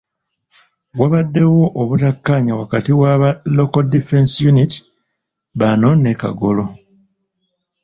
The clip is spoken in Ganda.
Wabaddewo obutakkaanya wakati wa ba Local Defence Unit bano ne Kagolo.